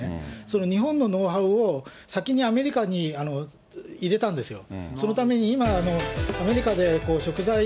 その日本のノウハウを、先にアメリカに入れたんですよ。